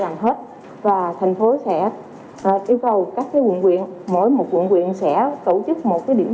càng hết và thành phố sẽ yêu cầu các quận quyện mỗi một quận quyện sẽ tổ chức một cái điểm